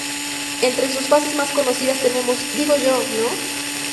Entre sus frases más conocidas tenemos ""digo yo, ¿no?